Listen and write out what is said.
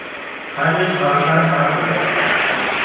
Heinrich war kein Adeliger.